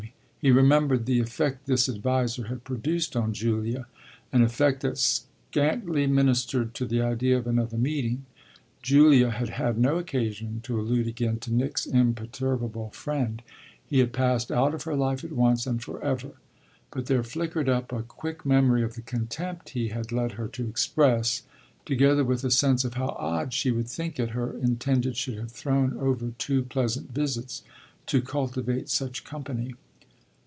He remembered the effect this adviser had produced on Julia an effect that scantly ministered to the idea of another meeting. Julia had had no occasion to allude again to Nick's imperturbable friend; he had passed out of her life at once and for ever; but there flickered up a quick memory of the contempt he had led her to express, together with a sense of how odd she would think it her intended should have thrown over two pleasant visits to cultivate such company.